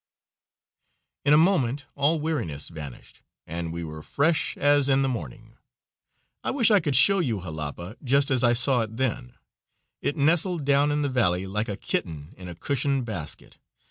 In a moment all weariness vanished, and we were fresh as in the morning. I wish I could show you Jalapa just as I saw it then. It nestled down in the valley like a kitten in a cushioned basket.